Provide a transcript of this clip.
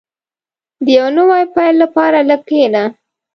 • د یو نوي پیل لپاره لږ کښېنه.